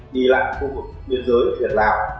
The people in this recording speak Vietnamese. đi lặng khu vực biên giới việt lào